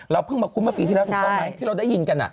เราเพิ่งมาคุ้มเมื่อปีที่แล้วเห็นเขาไหมที่เราได้ยินกัน